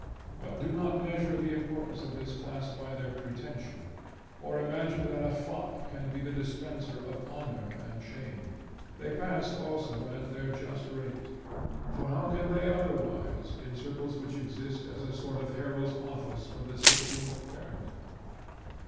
But do not measure the importance of this class by their pretension, or imagine that a fop can be the dispenser of honor and shame. They pass also at their just rate; for how can they otherwise, in circles which exist as a sort of herald's office for the sifting of character?